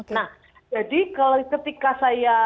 nah jadi ketika saya